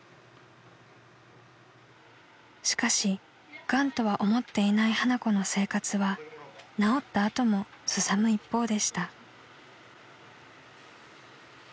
［しかしがんとは思っていない花子の生活は治った後もすさむ一方でした］